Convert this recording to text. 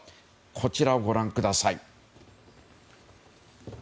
こちらをご覧ください。